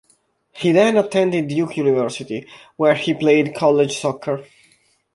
He then attended Duke University where he played college soccer.